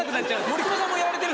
森久保さんもやられてる？